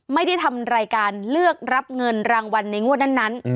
ไม่ได้ทำรายการเลือกรับเงินรางวัลในงวดนั้น